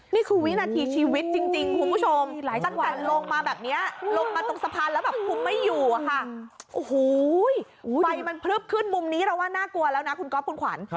นี่คือวินาทีชีวิตจริงคุณผู้ชมตั้งแต่ลงมาแบบนี้ลงมาตรงสะพานแล้วแบบคุมไม่อยู่อะค่ะโอ้โหไฟมันพลึบขึ้นมุมนี้เราว่าน่ากลัวแล้วนะคุณก๊อฟคุณขวัญ